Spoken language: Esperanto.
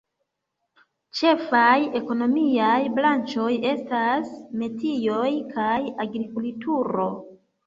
Ĉefaj ekonomiaj branĉoj estas metioj kaj agrikulturo.